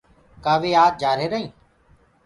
ڪآ وي آج جآرهيرآ هينٚ۔